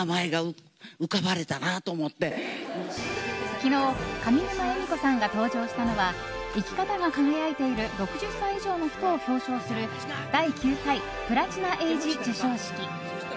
昨日、上沼恵美子さんが登場したのは生き方が輝いている６０歳以上の人を表彰する第９回プラチナエイジ授賞式。